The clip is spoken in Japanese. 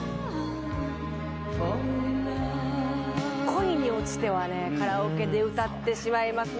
『恋におちて』はねカラオケで歌ってしまいますね。